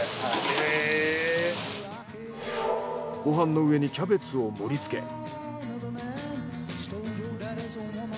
ご飯の上にキャベツを盛りつけ。